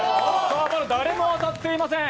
まだ誰も当たっていません。